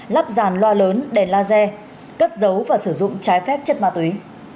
lắp dàn loa lớn đèn laser cất dấu và sử dụng trái phép chất ma túy